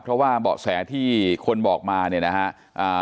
เพราะว่าเบาะแสที่คนบอกมาเนี่ยนะฮะ